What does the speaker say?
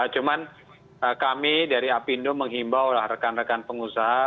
cuman kami dari apindo menghimbau rekan rekan pengusaha